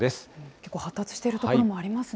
けっこう発達している所もありますね。